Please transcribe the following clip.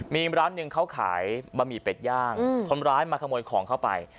มีร้านหนึ่งเขาขายบะหมี่เป็ดย่างคนร้ายมาขโมยของเข้าไป